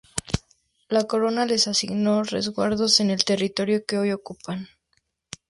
La Corona les asignó Resguardos en el territorio que hoy ocupan.